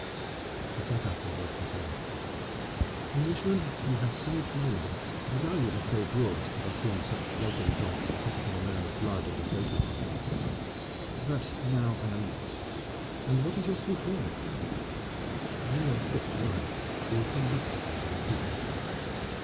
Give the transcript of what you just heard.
He sat up and rubbed his eyes. "Englishman, you have saved my life as I would have saved yours, had I seen such yelping dogs set upon a man of blood and of coat armor. But now I am yours, and what is your sweet will?" "When you are fit to ride, you will come back with me to my people."